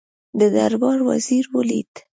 د دربار وزیر ولید.